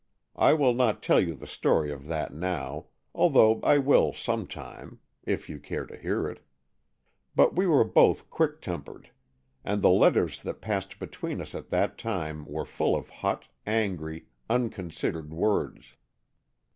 I will not tell you the story of that now,—though I will, some time, if you care to hear it. But we were both quick tempered, and the letters that passed between us at that time were full of hot, angry, unconsidered words.